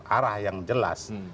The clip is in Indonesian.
arah yang jelas